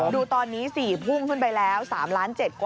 ดูตอนนี้๔พุ่งขึ้นไปแล้ว๓๗๐๐๐๐๐บาท